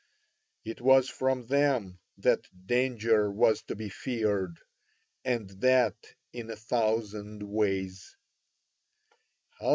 It was from them that danger was to be feared; and that in a thousand ways.